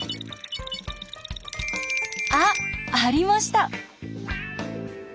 あっ！ありました。